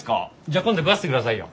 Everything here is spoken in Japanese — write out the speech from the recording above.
じゃあ今度食わしてくださいよ。